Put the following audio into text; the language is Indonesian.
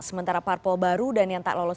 sementara parpol baru dan yang tak lolos